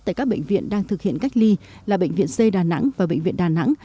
tại các bệnh viện đang thực hiện cách ly là bệnh viện c đà nẵng và bệnh viện đà nẵng